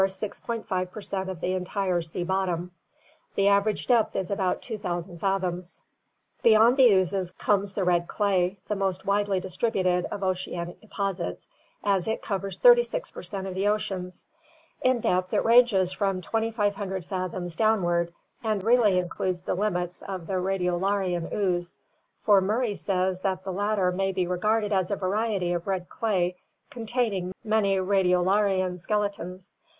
5 per cent of the entire sea bottom. The average depth is about 2000 fathoms. Beyond the oozes comes the red clay, the most widely distributed 384 ORGANIC EVOLUTION of oceanic deposits, as it covers 36 per cent of the oceans. In depth it ranges from 2500 fathoms downward and really includes the limits of the Radiolarian ooze, for Murray says that the latter may be regarded as a variety of red clay containing many radiolarian skeletons.